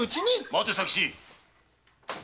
待て佐吉！